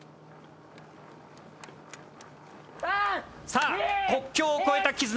さあ国境を越えた絆。